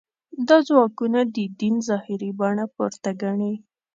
دا ځواکونه د دین ظاهري بڼه پورته ګڼي.